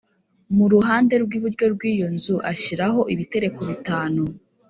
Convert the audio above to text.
Mu ruhande rw’iburyo rw’iyo nzu ashyiraho ibitereko bitanu